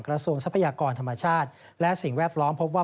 ทรัพยากรธรรมชาติและสิ่งแวดล้อมพบว่า